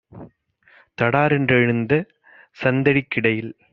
தடாரென் றெழுந்த சந்தடிக் கிடையில்